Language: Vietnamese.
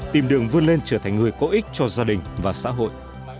tìm đường vươn lên trở thành người có ích cho gia đình và xã hội